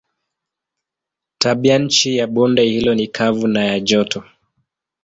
Tabianchi ya bonde hilo ni kavu na ya joto.